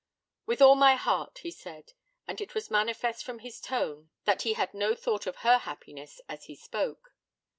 'With all my heart,' he said; and it was manifest from his tone that he had no thought of her happiness as he spoke.